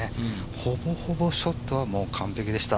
ほぼほぼショットはもう完璧でした。